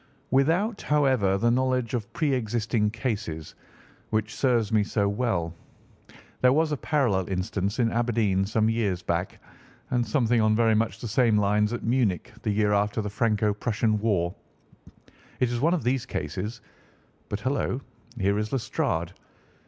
"Without, however, the knowledge of pre existing cases which serves me so well. There was a parallel instance in Aberdeen some years back, and something on very much the same lines at Munich the year after the Franco Prussian War. It is one of these cases—but, hullo, here is Lestrade!